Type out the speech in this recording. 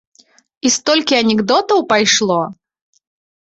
І столькі анекдотаў пайшло!